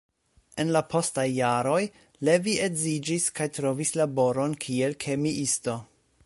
En la postaj jaroj, Levi edziĝis kaj trovis laboron kiel kemiisto.